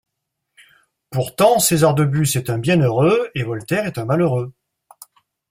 Pourtant César de Bus est un bienheureux et Voltaire est un malheureux.